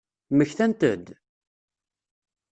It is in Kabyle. Mmektant-d?